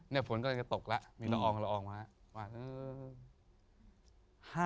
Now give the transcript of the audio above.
เนี้ยฝนก็เลยจะตกละมีฤาอองอุ่นฤาวอังมาว่าเออ